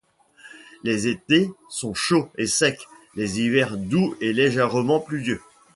Les étés sont chauds et secs, les hivers doux et légèrement pluvieux.